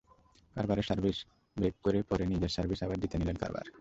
কারবারের service break করে পরে নিজের সার্ভিস আবার জিতে নিলেন কারবার।